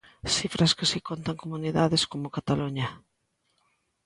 Cifras que si contan comunidades como Cataluña.